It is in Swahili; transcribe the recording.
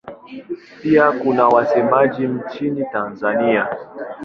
Pia kuna wasemaji nchini Tanzania.